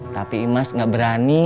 tapi imaz gak berani